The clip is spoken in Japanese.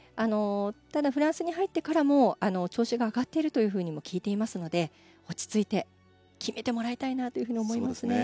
ただフランスに入ってからも調子が上がっているとも聞いていますので落ち着いて決めてもらいたいなと思いますね。